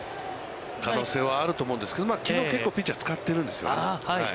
可能性はあると思うんですけど、きのう結構ピッチャーを使っているんですよね。